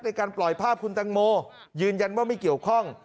ในการปล่อยภาพคุณตังโมยืนยันว่าไม่เกี่ยวข้อง